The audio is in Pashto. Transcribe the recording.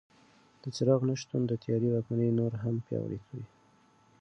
د څراغ نه شتون د تیارې واکمني نوره هم پیاوړې کړه.